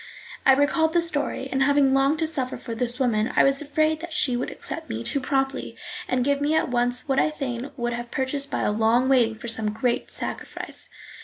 I recalled the story, and, having longed to suffer for this woman, I was afraid that she would accept me too promptly and give me at once what I fain would have purchased by long waiting or some great sacrifice.